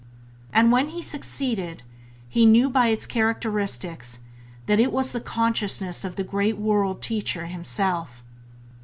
And when he succeeded, he knew by its characteristics that it was the Consciousness of the great World Teacher Himself.